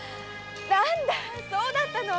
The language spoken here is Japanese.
何だそうだったの。